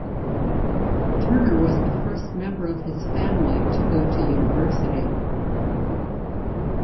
Turner was the first member of his family to go to university.